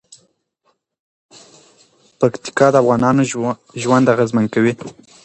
پکتیکا د افغانانو ژوند اغېزمن کوي.